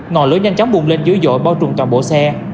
ngò lối nhanh chóng bùng lên dưới dội bao trùm toàn bộ xe